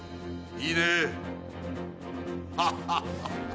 いいね。